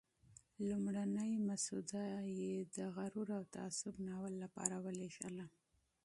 لومړنی مسوده یې د "غرور او تعصب" ناول لپاره ولېږله.